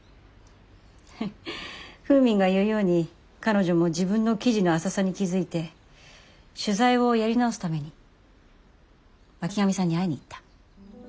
フーミンが言うように彼女も自分の記事の浅さに気付いて取材をやり直すために巻上さんに会いに行った。